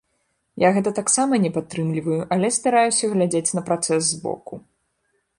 Я гэта таксама не падтрымліваю, але стараюся глядзець на працэс з боку.